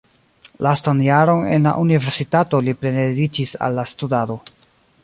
Lastan jaron en la universitato li plene dediĉis al la studado.